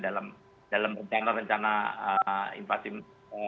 dalam dalam rencana rencana invasi mereka